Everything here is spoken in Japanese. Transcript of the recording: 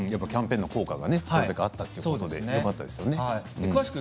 キャンペーンの効果があったということですね。